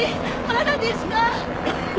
まだですか？